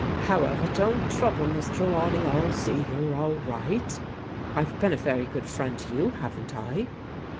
However, don't trouble. Miss Trelawney, I'll see you're all right. I've been a very good friend to you, haven't I